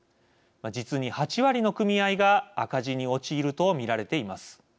実に８割の組合が赤字に陥ると見られています。